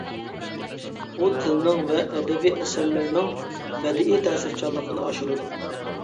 ئۇ تىلنىڭ ۋە ئەدەبىي ئەسەرلەرنىڭ بەدىئىي تەسىرچانلىقىنى ئاشۇرىدۇ.